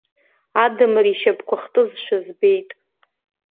Адамыр ишьапқәа хтызшәа збеит.